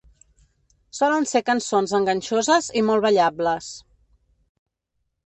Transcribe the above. Solen ser cançons enganxoses i molt ballables.